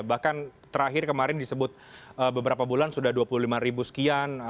bahkan terakhir kemarin disebut beberapa bulan sudah dua puluh lima ribu sekian